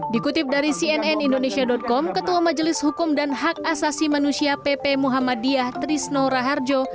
dikutip dari cnn indonesia com ketua majelis hukum dan hak asasi manusia pp muhammadiyah trisno raharjo